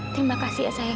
kamu mau cuti fadil